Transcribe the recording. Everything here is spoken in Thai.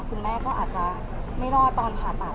คุณแม่ก็อาจจะไม่รอดตอนผ่าตัด